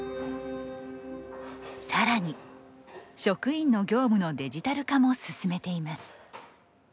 更に職員の業務のデジタル化も進めています。